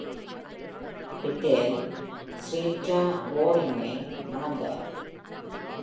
Buetel, Cereatha Browningகை மணந்தார்.